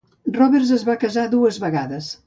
Roberts es va casar dues vegades.